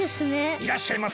いらっしゃいませ。